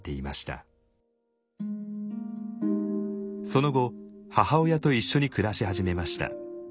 その後母親と一緒に暮らし始めました。